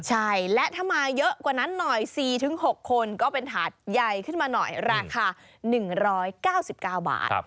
ใช่และถ้ามาเยอะกว่านั้นหน่อย๔๖คนก็เป็นถาดใหญ่ขึ้นมาหน่อยราคา๑๙๙บาท